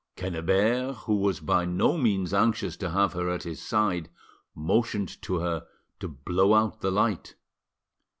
Quennebert, who was by no means anxious to have her at his side, motioned to her to blow out the light.